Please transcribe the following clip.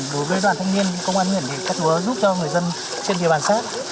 đối với đoàn thanh niên công an huyện thạch thất giúp cho người dân trên địa bàn xác